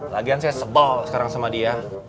lagian saya sebel sekarang sama dia